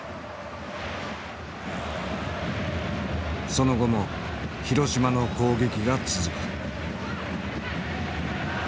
その後も広島の攻撃が続く。